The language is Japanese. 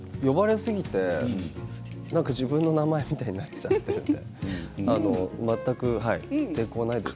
呼ばれすぎて自分の名前みたいになっちゃってる全く抵抗ないです。